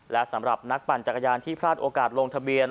และสำหรับนักปั่นจักรยานที่พลาดโอกาสลงทะเบียน